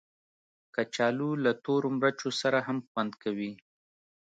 کچالو له تورو مرچو سره هم خوند کوي